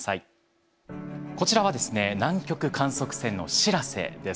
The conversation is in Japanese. こちらはですね南極観測船の「しらせ」です。